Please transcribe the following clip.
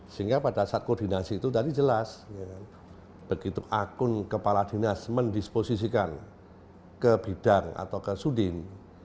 sehingga pada saat koordinasi itu tadi jelas begitu akun kepala dinas mendisposisikan ke bidang atau ke sudin